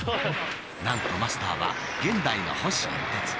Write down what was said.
なんとマスターは現代の星一徹。